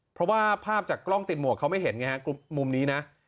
เพราะว่าภาพจากกล้องติดหมวกเขาไม่เห็นไงฮะมุมนี้นะ